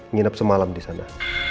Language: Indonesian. nginep semalam di sana